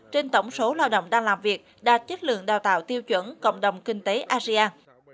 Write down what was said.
trên tổng số lao động đang làm việc đạt chất lượng đào tạo tiêu chuẩn cộng đồng kinh tế asean